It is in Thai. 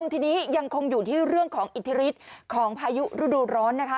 ทีนี้ยังคงอยู่ที่เรื่องของอิทธิฤทธิ์ของพายุฤดูร้อนนะคะ